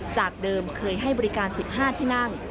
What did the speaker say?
จากเดิมเคยให้บริการ๑๕ที่นั่ง